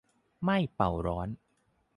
ไม่เป่าร้อน